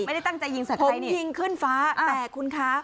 ไม่ได้ตั้งใจยิงใส่ผมยิงขึ้นฟ้าแต่คุณคะ